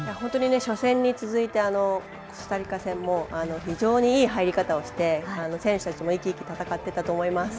初戦に続いてコスタリカ戦も非常にいい入り方をして選手たちも生き生きと戦っていたと思います。